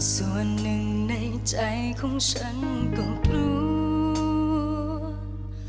ส่วนหนึ่งในใจของฉันก็กลัว